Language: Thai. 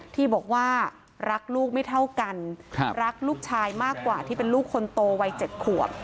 ที่บอกว่ารักลูกไม่เท่ากันรักลูกชายมากกว่าที่เป็นลูกคนโตวัย๗ขวบ